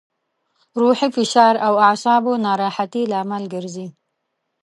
روحي فشار او اعصابو ناراحتي لامل ګرځي.